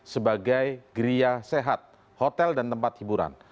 sebagai geria sehat hotel dan tempat hiburan